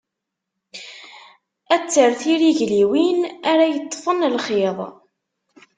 Ad terr tirigliwin, ara yeṭfen lxiḍ.